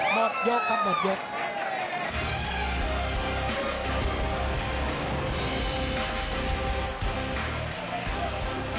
หมดเยอะครับหมดเยอะ